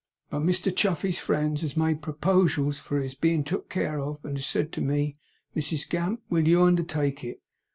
But Mr Chuffey's friends has made propojals for his bein' took care on, and has said to me, "Mrs Gamp, WILL you undertake it?